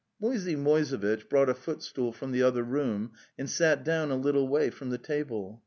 Moisey Moisevitch brought a footstool from the other room and sat down a little way from the table.